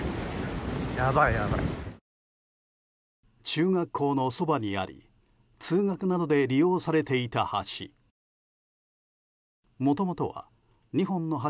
中学校のそばにあり通学などで利用されていた橋。